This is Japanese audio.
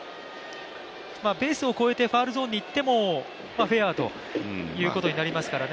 ベースを超えてファウルゾーンにいってもフェアということになりますからね。